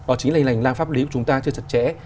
ở chính lành lành lang pháp lý của chúng ta chưa chật chẽ